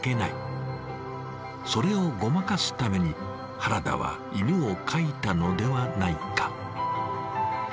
それをごまかすために原田は犬を描いたのではないか。